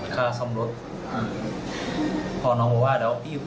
ค่าซ่อมรถพอน้องบอกว่าเดี๋ยวพี่คุยกันก่อน